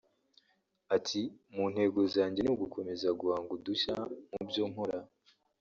Ati “Mu ntego zanjye ni ugukomeza guhanga udushya mu byo nkora